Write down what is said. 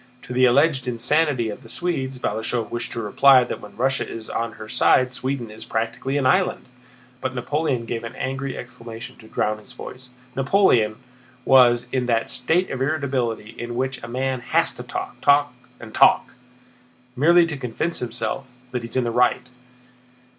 To the alleged insanity of the Swedes, Balashëv wished to reply that when Russia is on her side Sweden is practically an island: but Napoleon gave an angry exclamation to drown his voice. Napoleon was in that state of irritability in which a man has to talk, talk, and talk, merely to convince himself that he is in the right.